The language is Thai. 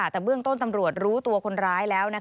แต่เบื้องต้นตำรวจรู้ตัวคนร้ายแล้ว